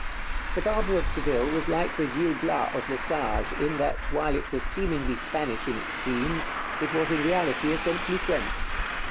'The Barber of Seville' was like the 'Gil Blas' of Lesage in that, while it was seemingly Spanish in its scenes, it was in reality essentially French.